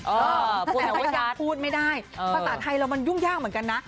แต่ว่ายังพูดไม่ได้ภาษาไทยเรามันยุ่งยากเหมือนกันนะ